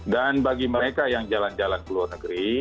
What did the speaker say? dan bagi mereka yang jalan jalan ke luar negeri